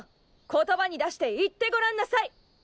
言葉に出して言ってごらんなさい。